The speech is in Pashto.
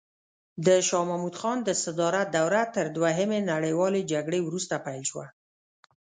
د شاه محمود خان د صدارت دوره تر دوهمې نړیوالې جګړې وروسته پیل شوه.